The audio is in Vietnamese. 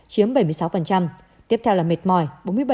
chiếm bảy mươi sáu tiếp theo là mệt mỏi bốn mươi bảy